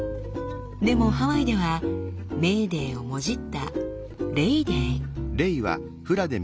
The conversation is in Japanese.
でもハワイではメーデーをもじった「レイ・デー」。